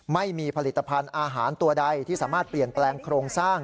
ไม่มีผลิตภัณฑ์อาหารตัวใดที่สามารถเปลี่ยนแปลงโครงสร้าง